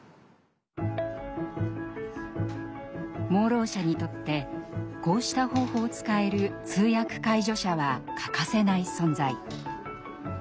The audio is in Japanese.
盲ろう者にとってこうした方法を使える通訳・介助者は欠かせない存在。